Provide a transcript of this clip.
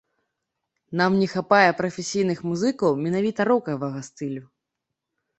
Нам не хапае прафесійных музыкаў менавіта рокавага стылю.